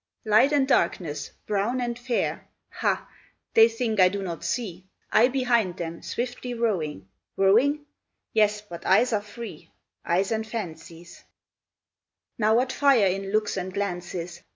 Light and darkness, brown and fair, Ha! they think I do not see, I behind them, swiftly rowing. Rowing? Yes, but eyes are free, Eyes and fancies: Now what fire in looks and glances!